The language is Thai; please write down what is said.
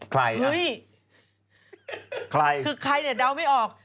ใครนะใครคือใครนี่เดาไม่ออก